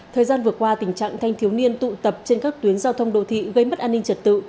thời gian vừa qua tình trạng thanh thiếu niên tụ tập trên các tuyến giao thông đô thị gây mất an ninh trật tự